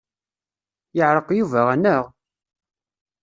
Yeɛreq Yuba anaɣ?